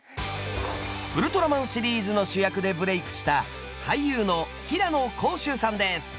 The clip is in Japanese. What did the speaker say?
「ウルトラマン」シリーズの主役でブレークした俳優の平野宏周さんです。